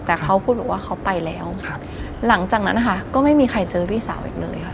แต่เขาพูดบอกว่าเขาไปแล้วหลังจากนั้นนะคะก็ไม่มีใครเจอพี่สาวอีกเลยค่ะ